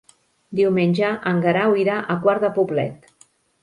Diumenge en Guerau irà a Quart de Poblet.